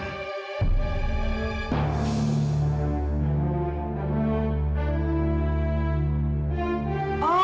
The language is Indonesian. kamila yang tertinggal di mobil saya